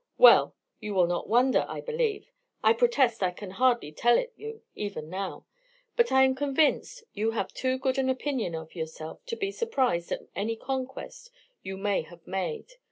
Well! You will not wonder, I believe. I protest I can hardly tell it you, even now. But I am convinced you have too good an opinion of yourself to be surprized at any conquest you may have made.